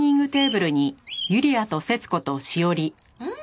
うん！